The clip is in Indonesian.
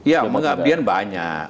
ya mengabdian banyak